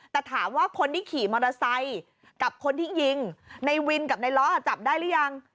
แต่ถามว่าคนที่ขี่มอเตอร์ไซค์กับคนที่ยิงในวินกับในล้อจับได้หรือยัง